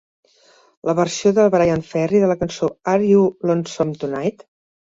La versió de Bryan Ferry de la cançó Are You Lonesome Tonight?